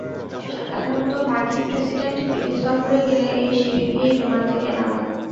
সাধারণত মার্কিন প্রেসিডেন্ট বিদেশ সফরে গেলে এই সিঁড়ি দিয়েই বিমান থেকে নামেন।